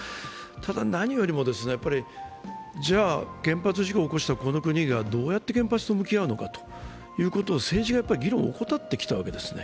ただ、何よりもやっぱり、じゃあ原発事故を起こしたこの国がどうやって原発と向き合うのかということを政治が議論を怠ってきたわけですね。